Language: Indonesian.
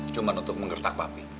cuman untuk mengertak papi